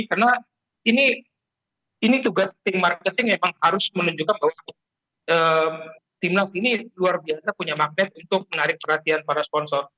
karena ini tugas tim marketing memang harus menunjukkan bahwa timnas ini luar biasa punya magnet untuk menarik perhatian para sponsor